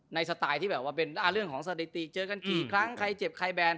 สไตล์ที่แบบว่าเป็นเรื่องของสถิติเจอกันกี่ครั้งใครเจ็บใครแบน